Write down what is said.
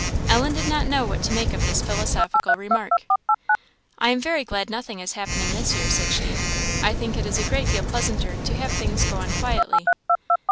Ellen did not know what to make of this philosophical remark. "I am very glad nothing is happening this year," said she; "I think it is a great deal pleasanter to have things go on quietly."